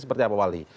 seperti apa wali